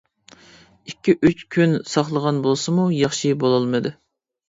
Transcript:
ئىككى-ئۈچ كۈن ساقلىغان بولسىمۇ، ياخشى بولالمىدى.